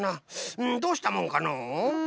うんどうしたもんかのう。